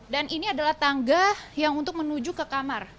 dan ini adalah tangga yang untuk menuju ke kamar